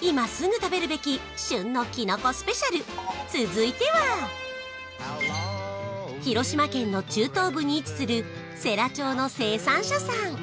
今すぐ食べるべき旬のキノコスペシャル続いては広島県の中東部に位置する世羅町の生産者さん